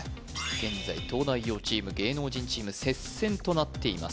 現在東大王チーム芸能人チーム接戦となっています